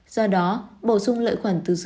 do đó bổ sung lợi khuẩn từ sữa chua